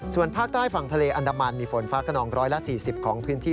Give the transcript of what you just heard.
ส่วนภาคใต้ฝั่งทะเลอันดามันมีฝนฟ้าขนอง๑๔๐ของพื้นที่